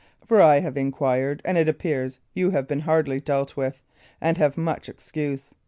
For I have inquired, and it appears ye have been hardly dealt with, and have much excuse.